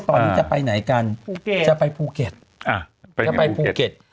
ตอนนี้จะไปไหนกันจะไปภูเก็ต